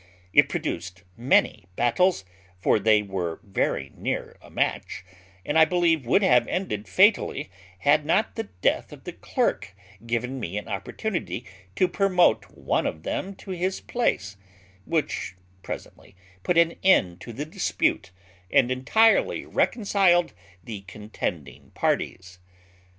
It produced many battles (for they were very near a match), and I believe would have ended fatally, had not the death of the clerk given me an opportunity to promote one of them to his place; which presently put an end to the dispute, and entirely reconciled the contending parties."